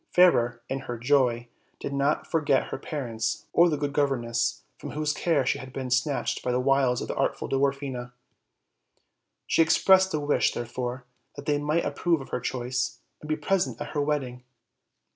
Fairer, in her joy, did not for get her parents or the good governess from whose care she had been snatched by the wiles of the artful Dwar fina. She expressed a wish, therefore, that they might approve of her choice, and be present at her Avedding.